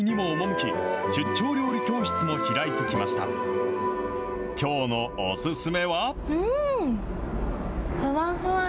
きょうのお勧めは？